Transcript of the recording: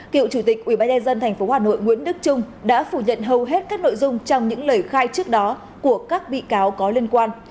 cựu chủ tịch ubnd tp hà nội nguyễn đức trung đã phủ nhận hầu hết các nội dung trong những lời khai trước đó của các bị cáo có liên quan